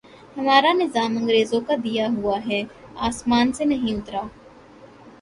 ہمارا نظام انگریزوں کا دیا ہوا ہے، آسمان سے نہیں اترا۔